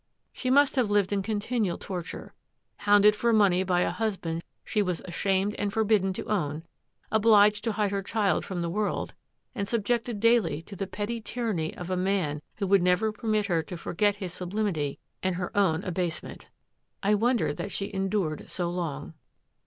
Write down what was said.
She must have lived in continual torture; hounded for money by a husband she was ashamed and forbidden to own, obliged to hide her child from the world, and subjected daily to the petty tyranny of a man who would never permit her to forget his sublimity and her own abasement. I wonder that she endured so long."